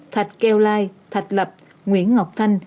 thạch kêu lai thạch lập nguyễn ngọc thanh